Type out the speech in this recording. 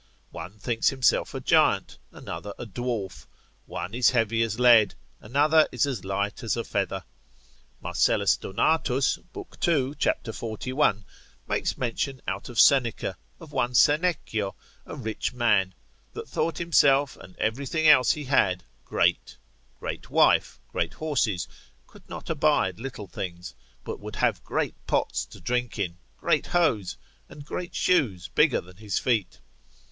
One thinks himself a giant, another a dwarf. One is heavy as lead, another is as light as a feather. Marcellus Donatus l. 2. cap. 41. makes mention out of Seneca, of one Seneccio, a rich man, that thought himself and everything else he had, great: great wife, great horses, could not abide little things, but would have great pots to drink in, great hose, and great shoes bigger than his feet.